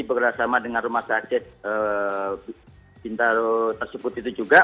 begerasama dengan rumah sakit bentaro tersebut itu juga